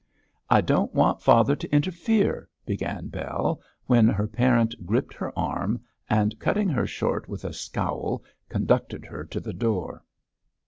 'I don't want father to interfere ' began Bell, when her parent gripped her arm, and cutting her short with a scowl conducted her to the door.